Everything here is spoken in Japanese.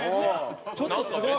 ちょっとすごい！